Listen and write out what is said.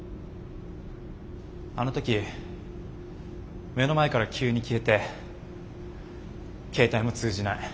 あの時目の前から急に消えて携帯も通じない。